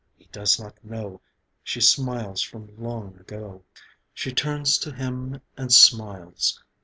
. He does not know She smiles from long ago ... She turns to him and smiles